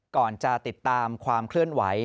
ก่อนจะติดตามความเคลื่อนไหว